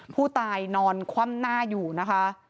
ผู้ตายนอนคว่ำหน้าอยู่นะคะ